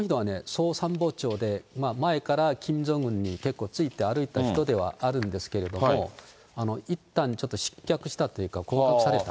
総参謀長で前からキム・ジョンウンに結構ついて歩いた人ではあるんですけれども、いったん、ちょっと失脚したというか、降格された。